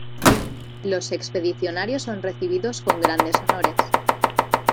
Los expedicionarios son recibidos con grandes honores.